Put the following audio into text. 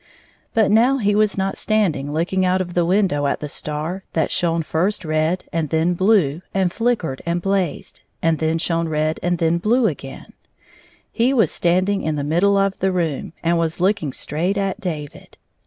But now he was not standing looking out of the window at the star that shone first red and then blue, and flickered and blazed, and then shone red and then blue again ; he was standing in the middle of the room and was looking straight at David.